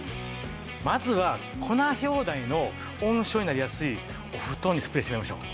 まずはコナヒョウダニの温床になりやすいお布団にスプレーしましょう。